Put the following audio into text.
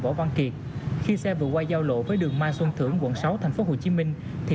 võ văn kiệt khi xe vừa qua giao lộ với đường mai xuân thưởng quận sáu thành phố hồ chí minh thì